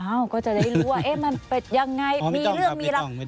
อ้าวก็จะได้รู้ว่ามันเป็นยังไงมีเรื่องมีลักษณ์